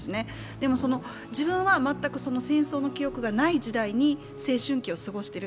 でも、自分は全く戦争の記憶がない時代に青春期を過ごしている。